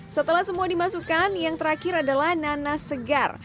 setelah semua dimasukkan yang terakhir adalah nanas segar